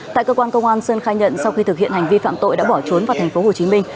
tại cơ quan công an sơn khai nhận sau khi thực hiện hành vi phạm tội đã bỏ trốn vào thành phố hồ chí minh